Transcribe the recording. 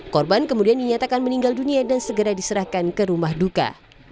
korban kemudian dinyatakan meninggal dunia dan segera diserahkan ke rumah duka